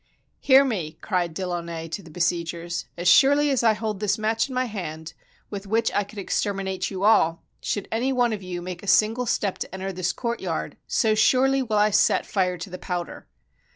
"Hear me," cried De Launay to the besiegers; "as surely as I hold this match in my hand, with which I could exterminate you all, should any one of you make a single step to enter this courtyard, so surely will I set fire to the powder."